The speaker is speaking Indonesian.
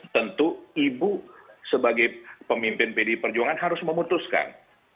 tentu ibu sebagai pemimpin pdi perjuangan harus memutuskan